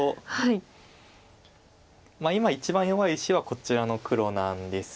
今一番弱い石はこちらの黒なんですが。